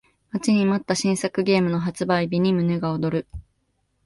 待ちに待った新作ゲームの発売日に胸が躍る